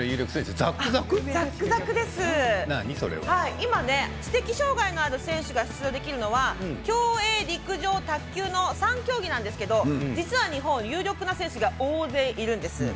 今、知的障がいのある選手が出場できるのは競泳、陸上卓球の３競技なんですけど実は日本、有力な選手が大勢いるんです。